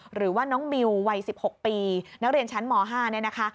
หรือว่าน้องมิววัย๑๖ปีนักเรียนชั้นม๕เนี่ยนะคะ